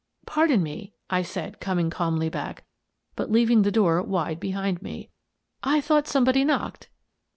" Pardon me," I said, coming calmly back, but leaving the door wide behind me. " I thought somebody knocked.